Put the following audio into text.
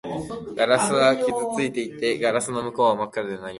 ガラスは傷ついていて、ガラスの向こうは真っ暗で何もない